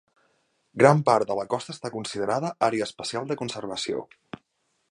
Gran part de la costa està considerada Àrea Especial de Conservació.